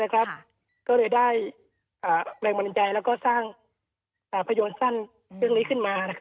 ก็เลยได้แรงบันดาลใจแล้วก็สร้างภาพยนตร์สั้นเรื่องนี้ขึ้นมา